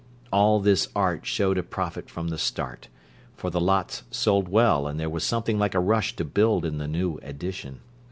All this Art showed a profit from the start, for the lots sold well and there was something like a rush to build in the new Addition.